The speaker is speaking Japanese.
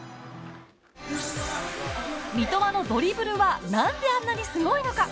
三笘のドリブルはなんであんなにすごいのか？